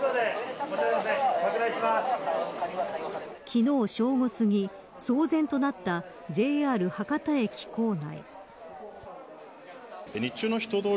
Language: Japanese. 昨日正午すぎ、騒然となったＪＲ博多駅構内。